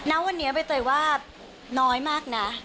ณวันนี้ใบเตยว่าน้อยมากนะ